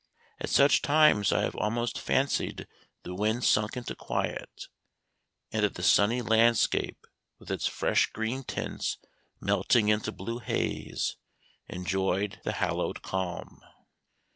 At such times I have almost fancied the wind sunk into quiet, and that the sunny landscape, with its fresh green tints melting into blue haze, enjoyed the hallowed calm.